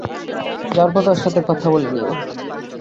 যাওয়ার পথে ওর সাথে কথা বলে নিও।